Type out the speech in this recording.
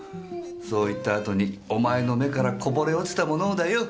そう言った後にお前の目からこぼれ落ちたものをだよ。